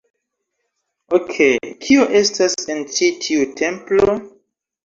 Okej, kio estas en ĉi tiu templo?